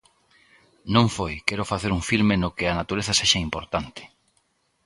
Non foi quero facer un filme no que a natureza sexa importante.